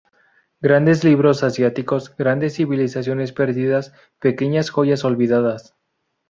Grandes libros asiáticos, grandes civilizaciones perdidas, pequeñas joyas olvidadas.